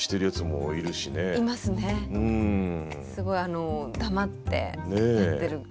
すごいあの黙ってやってる方は。